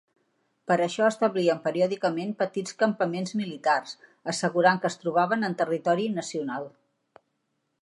Per a això establien periòdicament petits campaments militars, assegurant que es trobaven en territori nacional.